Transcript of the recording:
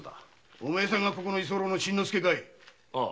お前さんが居候の新之助かい？